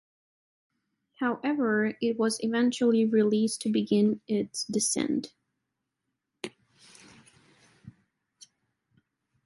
However, it was eventually released to begin its descent.